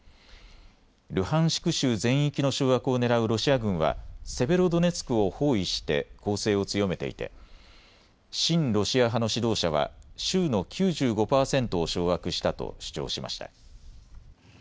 ルハンシク州で全域の掌握をねらうロシア軍はセベロドネツクを包囲して攻勢を強めていて親ロシア派の指導者は州の９５％を掌握したと主張しました。